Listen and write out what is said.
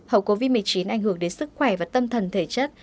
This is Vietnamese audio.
hậu covid một mươi chín ảnh hưởng đến sức khỏe và tâm thần thể chất